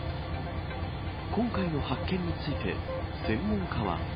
今回の発見について、専門家は。